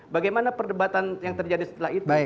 bagaimana perdebatan yang terjadi setelah itu